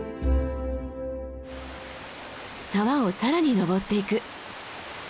沢を更に登っていく。